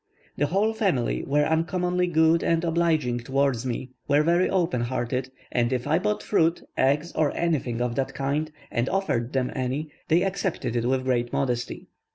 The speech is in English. The whole family were uncommonly good and obliging towards me, were very open hearted, and if I bought fruit, eggs, or anything of the kind, and offered them any, they accepted it with great modesty.